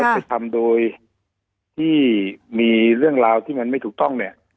กระทำโดยที่มีเรื่องราวที่มันไม่ถูกต้องเนี่ย